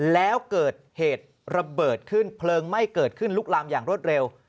แล้วเกิดเหตุระเบิดขึ้นเพลิงไหม้เกิดขึ้นลุกลามอย่างรวดเร็ว